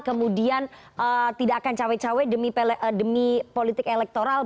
kemudian tidak akan cawe cawe demi politik elektoral